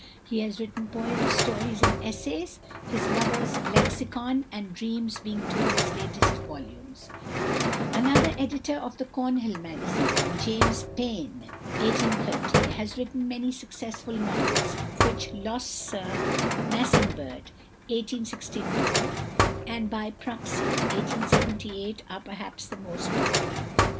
He has written poems, stories, and essays, his "Lover's Lexicon" and "Dreams" being two of his latest volumes. Another editor of The Cornhill Magazine, =James Payn (1830 )=, has written many successful novels, of which "Lost Sir Massingberd" (1864) and "By Proxy" (1878) are perhaps the most popular.